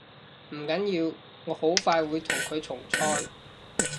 唔緊要，我好快會同佢重賽